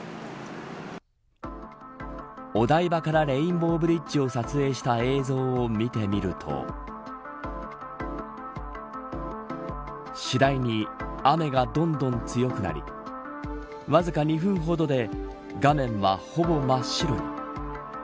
お台場からレインボーブリッジを撮影した映像を見てみると次第に、雨がどんどん強くなりわずか２分ほどで画面は、ほぼ真っ白に。